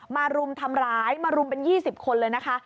รุมทำร้ายมารุมเป็น๒๐คนเลยนะคะ